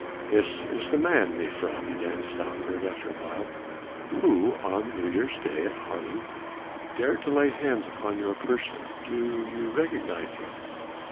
"This is the man, mejuffrouw," began Stoutenburg after awhile, "who on New Year's day at Haarlem dared to lay hands upon your person. Do you recognize him?"